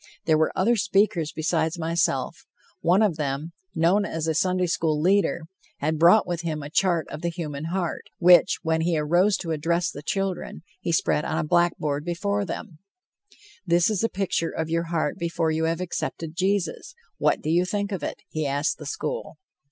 There were other speakers besides myself; one of them, known as a Sunday school leader, had brought with him a chart of the human heart, which, when he arose to address the children, he spread on a blackboard before them: "This is a picture of your heart before you have accepted Jesus. What do you think of it?" he asked the school.